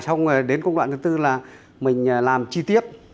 xong rồi đến công đoạn thứ tư là mình làm chi tiết